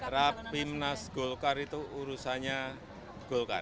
rapimnas golkar itu urusannya golkar